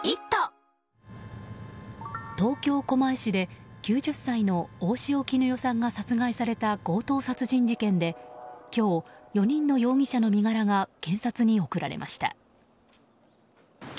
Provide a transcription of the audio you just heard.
東京・狛江市で９０歳の大塩衣与さんが殺害された強盗殺人事件で今日、４人の容疑者の身柄が検察に送られました。